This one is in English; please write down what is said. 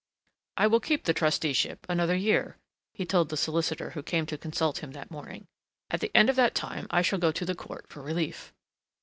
"I will keep the trusteeship another year," he told the solicitor who came to consult him that morning. "At the end of that time I shall go to the court for relief."